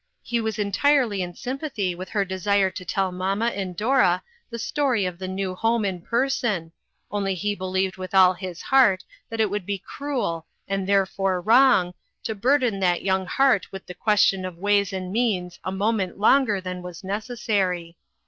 He was entirely in sympathy with her desire to tell mamma and Dora the story of the new home in person, only he believed with all his heart that it would be cruel, and there fore wrong, to burden that young heart with the question of ways and means a moment longer than was necessary.